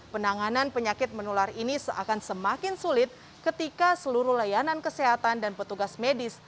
penanganan penyakit menular ini seakan semakin sulit ketika seluruh layanan kesehatan dan petugas medis